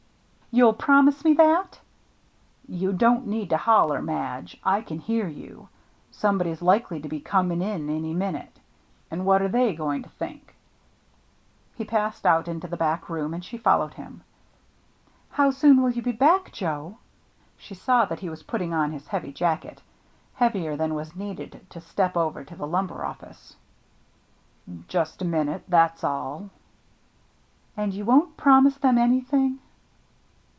" You'll promise me that ?"" You don't need to holler, Madge. I can hear you. Somebody's likely to be coming in any minute, and what are they going to THE NEW MATE 63 think ?" He passed out into the back room, and she followed him. " How soon will you be back, Joe ?" She saw that he was putting on his heavy jacket — heavier than was needed to step over to the lumber office. "Just a minute — that's all." " And you won't promise them anything